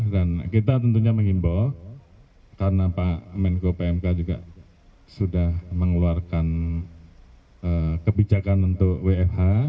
dan kita tentunya mengimbau karena pak menko pmk juga sudah mengeluarkan kebijakan untuk wfh